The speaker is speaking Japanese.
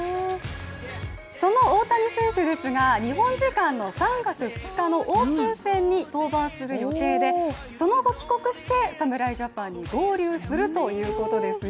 その大谷選手ですが、日本時間の３月２日のオープン戦に登板する予定で、その後帰国して侍ジャパンに合流するということのようですよ